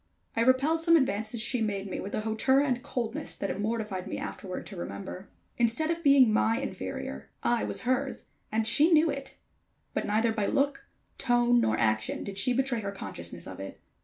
I repelled some advances she made me with a hauteur and coldness that it mortified me afterward to remember. Instead of being my inferior, I was her's, and she knew it; but neither by look, tone nor action did she betray her consciousness of it.